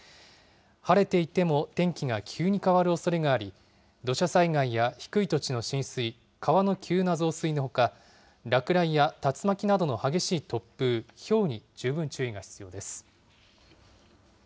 晴れていても天気が急に変わるおそれがあり、土砂災害や低い土地の浸水、川の急な増水のほか、落雷や竜巻などの激しい突風、ひょうに十分注意が必要です。